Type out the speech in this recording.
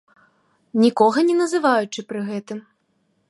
Нікога не называючы пры гэтым.